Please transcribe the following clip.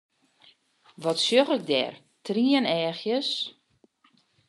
Wat sjoch ik dêr, trieneachjes?